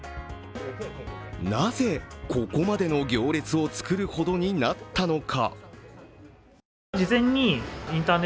なぜ、ここまでの行列を作るほどになったのか。